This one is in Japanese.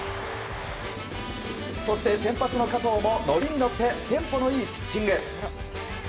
そして、先発の加藤もノリにのってテンポのいいピッチング。